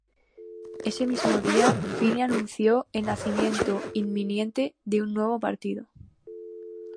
Ese mismo día Fini anunció el nacimiento inminente de un nuevo partido.